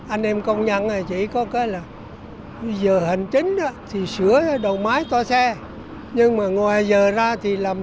anh em công nhân chỉ có cái là giờ hành chính thì sửa đầu máy to xe nhưng mà ngoài giờ ra thì làm